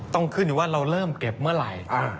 ต้องขึ้นอยู่ว่าเราเริ่มเก็บเมื่อไหร่